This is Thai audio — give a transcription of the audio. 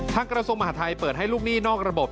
กระทรวงมหาทัยเปิดให้ลูกหนี้นอกระบบ